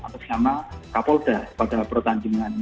atau sama kapolda pada pertandingan